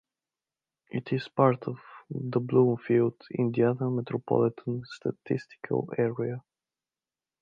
It is part of the Bloomfield, Indiana Metropolitan Statistical Area.